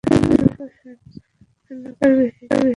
এরপর স্বর্ণকার বিষয়টি নিশ্চিত করেন।